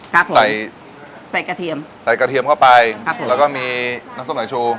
ครับผมใส่ใส่กระเทียมใส่กระเทียมเข้าไปครับผมแล้วก็มีน้ำส้มสายชู